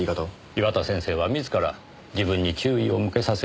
岩田先生は自ら自分に注意を向けさせようとしていた。